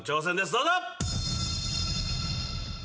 どうぞ。